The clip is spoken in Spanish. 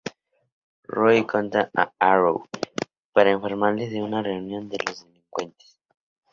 Roy contacta a "Arrow" para informarle de una reunión de delincuentes.